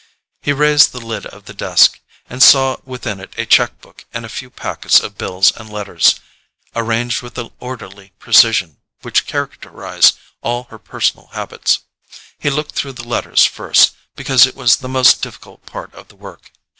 He raised the lid of the desk, and saw within it a cheque book and a few packets of bills and letters, arranged with the orderly precision which characterized all her personal habits. He looked through the letters first, because it was the most difficult part of the work.